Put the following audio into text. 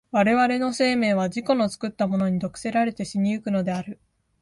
我々の生命は自己の作ったものに毒せられて死に行くのである。